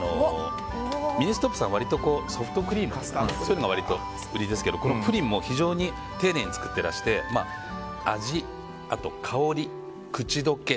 ミニストップさん割とソフトクリームとかそういうのが割と売りですがこのプリンも非常に丁寧に作っていらして味、あと香り、口溶け